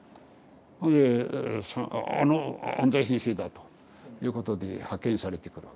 であの安斎先生だということで派遣されてくる。